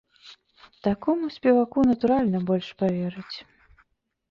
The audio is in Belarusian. Такому спеваку, натуральна, больш павераць!